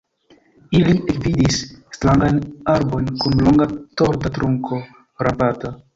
Ili ekvidis strangajn arbojn kun longa torda trunko rampanta.